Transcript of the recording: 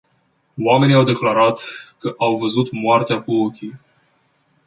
Oamenii au declarat, că au văzut moartea cu ochii.